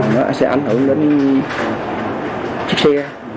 nó sẽ ảnh hưởng đến chiếc xe